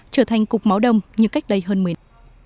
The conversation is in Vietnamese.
trở thành cục máu đông như cách đây hơn miền